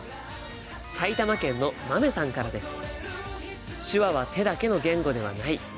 埼玉県のまめさんからです。